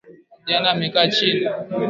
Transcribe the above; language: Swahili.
Kijana amekaa chini